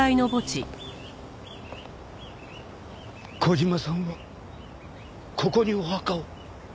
小島さんはここにお墓を。